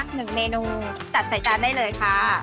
หนึ่งเมนูจัดใส่จานได้เลยค่ะ